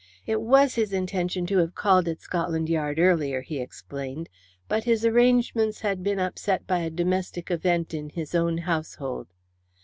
It was his intention to have called at Scotland Yard earlier, he explained, but his arrangements had been upset by a domestic event in his own household.